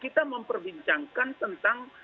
kita memperbincangkan tentang